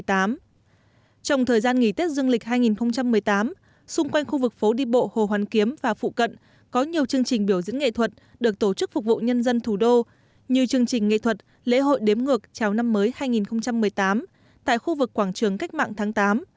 trong thời gian nghỉ tết dương lịch hai nghìn một mươi tám xung quanh khu vực phố đi bộ hồ hoàn kiếm và phụ cận có nhiều chương trình biểu diễn nghệ thuật được tổ chức phục vụ nhân dân thủ đô như chương trình nghệ thuật lễ hội đếm ngược chào năm mới hai nghìn một mươi tám tại khu vực quảng trường cách mạng tháng tám